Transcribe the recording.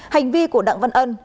hành vi của đặng văn ân